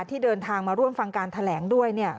ที่เดินทางมาร่วมฟังการแถลงด้วยเนี่ย